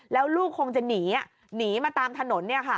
แล้วลูกคงจะหนีหนีมาตามถนน